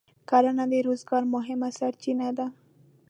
کرنه د روزګار مهمه سرچینه ده.